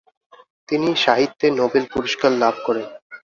তিনি সাহিত্যে নোবেল পুরস্কার লাভ করেন।